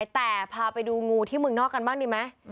แต่พาไปดูงูที่เมืองนอกกันบ้างดีไหม